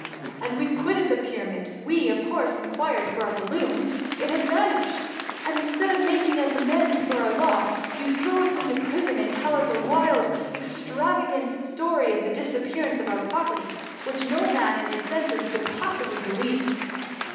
When we quitted the Pyramid, we, of course, inquired for our balloon— it had vanished ; and instead of making us amends for our loss, you throw us into prison and tell us a wild, extravagant 2$4 THE MUMMY. storj of the disuppearance of our property, which no man in his senses can possibly be^ lieve."